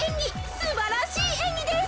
すばらしいえんぎです。